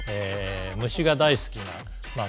虫が大好きなまあ